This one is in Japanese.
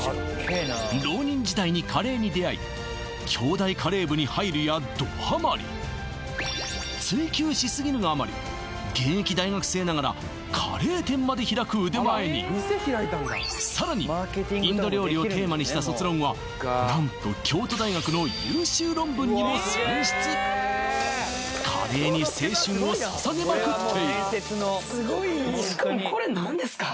浪人時代にカレーに出会い京大カレー部に入るやどハマり追求しすぎるがあまり現役大学生ながらカレー店まで開く腕前にさらにインド料理をテーマにした卒論は何と京都大学の優秀論文にも選出カレーに青春をささげまくっている何ですか